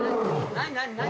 何何何何？